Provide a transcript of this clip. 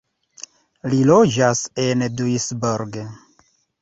Li loĝas en Duisburg.